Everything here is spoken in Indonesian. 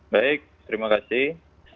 baik terima kasih